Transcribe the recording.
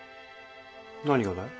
何がだい？